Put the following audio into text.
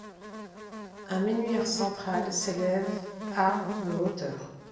Un menhir central s'élève à de hauteur.